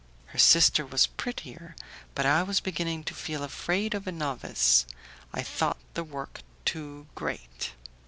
Her sister was prettier, but I was beginning to feel afraid of a novice; I thought the work too great.